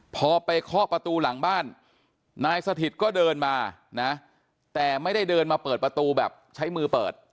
พอไปเคาะประตูหลังบ้านนายสถิตก็เดินมานะแต่ไม่ได้เดินมาเปิดประตูแบบใช้มือเปิด